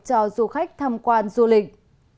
cho du khách tham quan du lịch